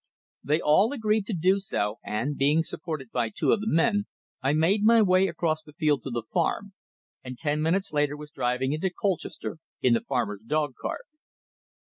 They all agreed to do so, and, being supported by two of the men, I made my way across the field to the farm; and ten minutes later was driving into Colchester in the farmer's dog cart.